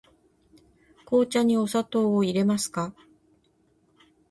紅茶にお砂糖をいれますか。